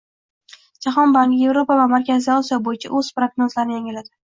Jahon banki Evropa va Markaziy Osiyo bo'yicha o'z prognozlarini yangiladi